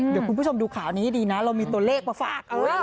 เดี๋ยวคุณผู้ชมดูข่าวนี้ให้ดีนะเรามีตัวเลขมาฝาก